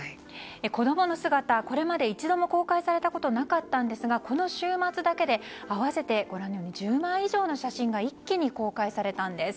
子供の姿、これまで一度も公開されたことがなかったんですがこの週末だけで合わせて１０枚以上の写真が一気に公開されたんです。